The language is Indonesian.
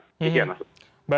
begitu ya mas bram